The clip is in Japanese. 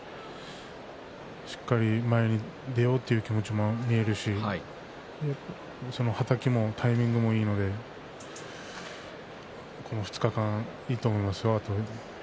しっかり前に出ようという気持ちも見えるしはたきのタイミングもいいのでこの２日間、いいと思います。